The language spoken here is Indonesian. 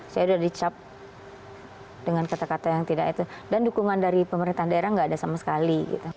saya sudah dicap dengan kata kata yang tidak itu dan dukungan dari pemerintahan daerah nggak ada sama sekali